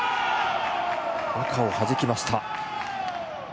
赤をはじきました。